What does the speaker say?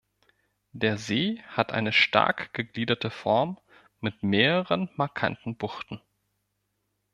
Der See hat eine stark gegliederte Form mit mehreren markanten Buchten.